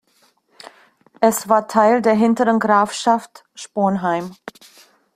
Es war Teil der Hinteren Grafschaft Sponheim.